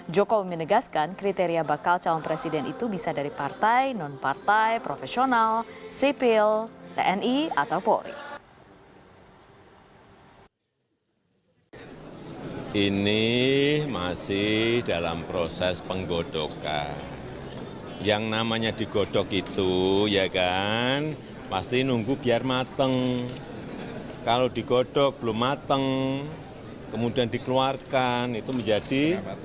jokowi menegaskan kriteria bakal calon presiden itu bisa dari partai non partai profesional sipil tni atau polri